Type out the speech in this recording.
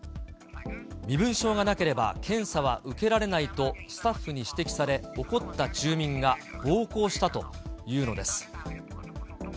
身分証がなければ検査は受けられないとスタッフに指摘され、怒った住民が暴行したというのです。